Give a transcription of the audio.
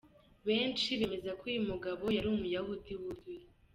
Benshi bemeza ko uyu mugabo yari umuyahudi wuzuye.